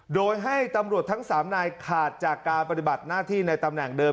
โดยให้ตำรวจทั้ง๓นายขาดจากการปฏิบัติหน้าที่ในตำแหน่งเดิม